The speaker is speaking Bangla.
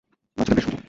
বাচ্চাটা বেশ সুন্দর।